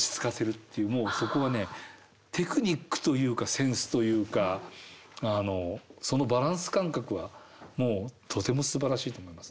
もうそこはねテクニックというかセンスというかそのバランス感覚はとてもすばらしいと思います。